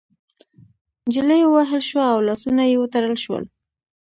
نجلۍ ووهل شوه او لاسونه يې وتړل شول.